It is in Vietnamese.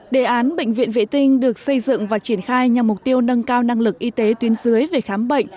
đề án bệnh viện vệ tinh được xây dựng và triển khai nhằm mục tiêu nâng cao năng lực y tế tuyến dưới về khám bệnh